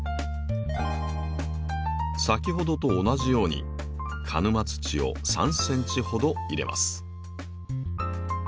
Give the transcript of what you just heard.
先ほどと同じように鹿沼土を３ｃｍほど入れます。